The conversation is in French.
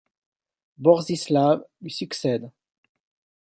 Borzysław lui succède.